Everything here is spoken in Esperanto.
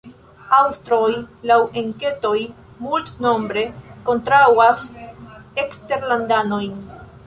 Aŭstroj, laŭ enketoj, multnombre kontraŭas eksterlandanojn.